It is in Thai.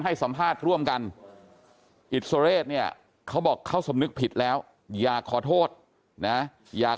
ให้สัมภาษณ์ร่วมกันเนี่ยเขาบอกเขาสมนึกผิดแล้วอยากขอโทษอยาก